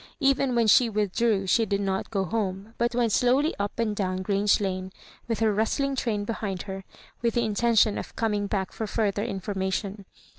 *Even when she withdrew, she did not go home, but went slowly up and down Grange Lane with her rustling train behind her, with the intention of coming back for further information.